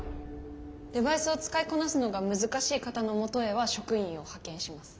デバイスを使いこなすのが難しい方のもとへは職員を派遣します。